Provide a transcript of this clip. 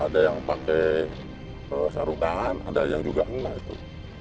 ada yang pakai sarung tangan ada yang juga enggak itu